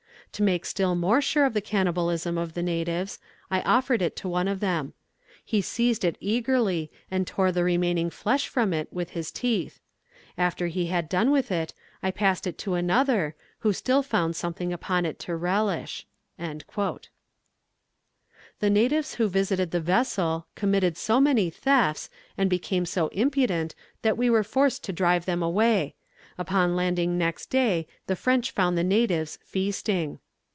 To make still more sure of the cannibalism of the natives, I offered it to one of them. He seized it eagerly, and tore the remaining flesh from it with his teeth; after he had done with it, I passed it to another, who still found something upon it to relish." [Illustration: Natives of New Caledonia.] The natives who visited the vessel, committed so many thefts, and became so impudent, that we were forced to drive them away. Upon landing next day, the French found the natives feasting.